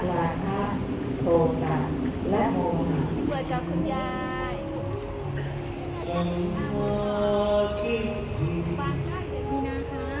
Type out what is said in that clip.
สวัสดีครับสวัสดีครับ